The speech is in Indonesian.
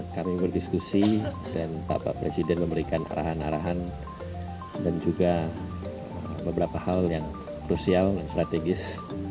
kami berdiskusi dan bapak presiden memberikan arahan arahan dan juga beberapa hal yang krusial dan strategis